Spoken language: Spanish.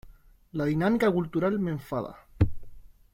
La dinámica cultural me enfada.